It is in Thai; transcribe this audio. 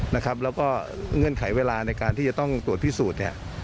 แล้วก็เงื่อนไขเวลาในการที่จะต้องตรวจพิสูจน์เนี่ย